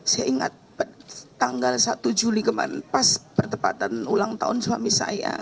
saya ingat tanggal satu juli kemarin pas pertempatan ulang tahun suami saya